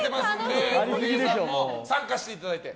ゴリエさんも参加していただいて。